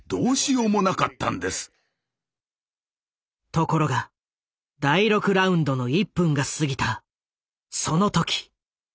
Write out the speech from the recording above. ところが第６ラウンドの１分が過ぎたその時！